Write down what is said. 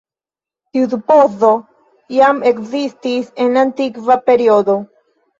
Tiu supozo jam ekzistis en la antikva periodo.